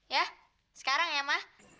ya sekarang ya mah